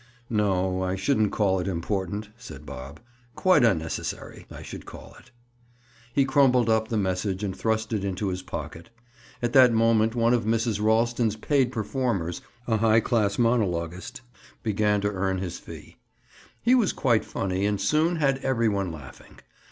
"No, I shouldn't call it important," said Bob. "Quite unnecessary, I should call it." He crumpled up the message and thrust it into his pocket. At that moment one of Mrs. Ralston's paid performers—a high class monologist—began to earn his fee. He was quite funny and soon had every one laughing.